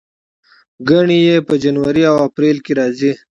ګڼې یې په جنوري او اپریل کې راځي.